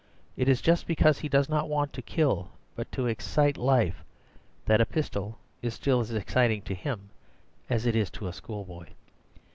It is just because he does not want to kill but to excite to life that a pistol is still as exciting to him as it is to a schoolboy.